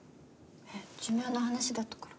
寿命の話だったから。